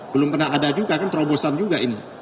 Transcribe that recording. belum pernah ada juga kan terobosan juga ini